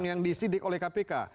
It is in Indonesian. yang disidik oleh kpk